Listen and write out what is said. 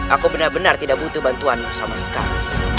aku benar benar tidak butuh bantuanmu sama sekali